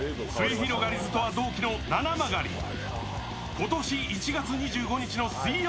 今年１月２５日の水曜